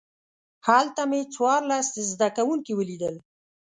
هلته مې څوارلس زده کوونکي ولیدل.